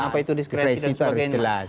apa itu diskresi dan sebagainya